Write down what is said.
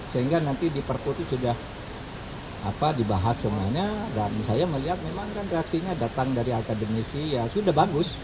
sehingga nanti di perpu itu sudah dibahas semuanya dan saya melihat memang kan reaksinya datang dari akademisi ya sudah bagus